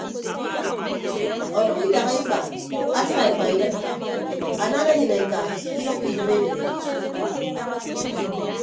Ọdʌk idak ekpa atịgha ekpa idịp anana eyịn eka idʌkkọ idịp eniin.